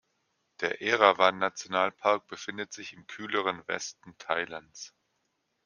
Der Erawan-Nationalpark befindet sich im kühleren Westen Thailands.